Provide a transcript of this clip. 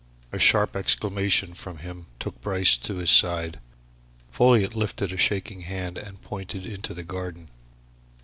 A sharp exclamation from him took Bryce to his side. Folliot lifted a shaking hand and pointed into the garden.